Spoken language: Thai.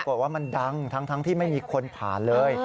ว่ามันดังทั้งที่ไม่มีคนผ่านเลย